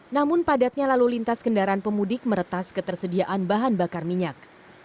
namun padatnya lalu lintas kendaraan pemudik meretas ketersediaan bahan bakar minyak